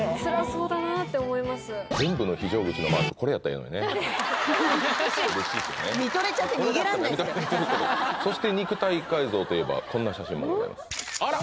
そして肉体改造といえばこんな写真もございますあら！